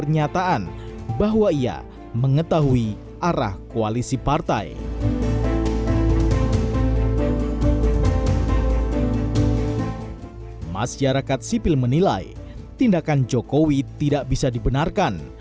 jokowi arah koalisi partai masyarakat sipil menilai tindakan jokowi tidak bisa dibenarkan